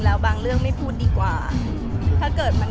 แม็กซ์ก็คือหนักที่สุดในชีวิตเลยจริง